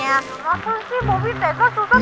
masuk sih bobi tegas susan